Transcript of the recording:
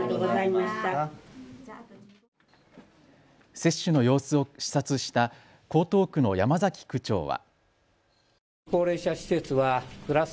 接種の様子を視察した江東区の山崎区長は。